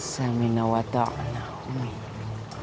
salam sejahtera kepada umatmu